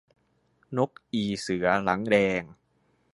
นกอีเสือหลังแดง